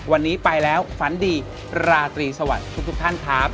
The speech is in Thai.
วันนี้ไปแล้วฝันดีราตรีสวัสดีทุกท่านครับ